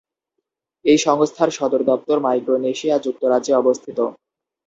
এই সংস্থার সদর দপ্তর মাইক্রোনেশিয়া যুক্তরাজ্যে অবস্থিত।